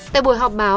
tại buổi họp báo